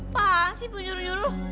apaan sih ibu nyuruh nyuruh